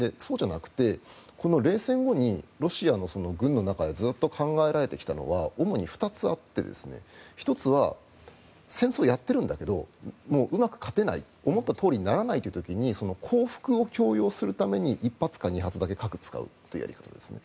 そうじゃなくて冷戦後にロシアの軍の中でずっと考えられてきたのは主に２つあって１つは戦争をやってるんだけど思ったとおりにならないという場合に降伏を強要するために１発か２発だけ核を使うというやり方。